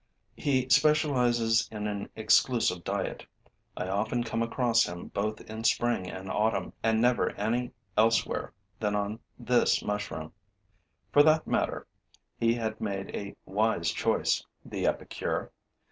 He specializes in an exclusive diet. I often come across him, both in spring and autumn, and never any elsewhere than on this mushroom. For that matter, he had made a wise choice, the epicure!